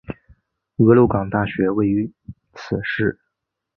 俄勒冈大学位于此市。